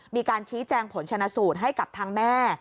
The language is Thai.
มีการชี้แจงผลชนะสูตรให้กับทางแม่